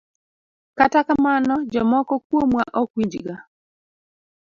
Kata kamano, jomoko kuomwa ok winjga.